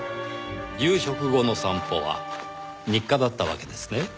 夕食後の散歩は日課だったわけですね？